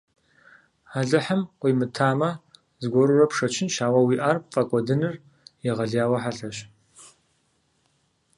Алыхьым къуимытамэ, зыгуэрурэ пшэчынщ, ауэ уиӀар пфӀэкӀуэдыныр егъэлеяуэ хьэлъэщ.